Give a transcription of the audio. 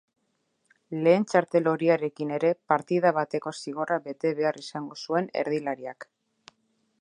Lehen txartel horiarekin ere partida bateko zigorra bete behar izango zuen erdilariak.